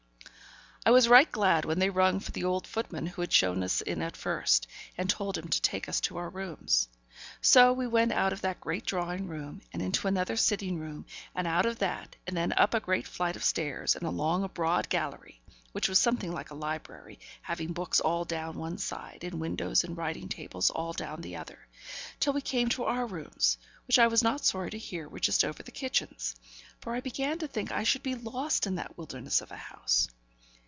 I was right glad when they rung for the old footman who had shown us in at first, and told him to take us to our rooms. So we went out of that great drawing room and into another sitting room, and out of that, and then up a great flight of stairs, and along a broad gallery which was something like a library, having books all down one side, and windows and writing tables all down the other till we came to our rooms, which I was not sorry to hear were just over the kitchens; for I began to think I should be lost in that wilderness of a house.